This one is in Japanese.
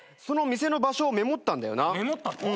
その店の場所をメモったんだよな。